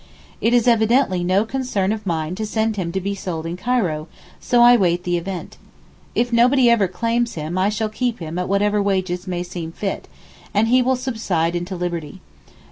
It is evidently no concern of mine to send him to be sold in Cairo, so I wait the event. If nobody ever claims him I shall keep him at whatever wages may seem fit, and he will subside into liberty.